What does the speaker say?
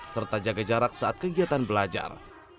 serta jaga jarak saat kegiatan belajar